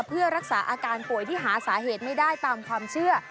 เพื่อรักษาอาการป่วยที่หาสาเหตุไม่ได้ตามความเชื่อ